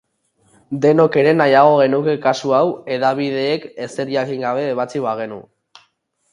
Denok ere nahiago genuke kasu hau hedabideek ezer jakin gabe ebatzi bagenu.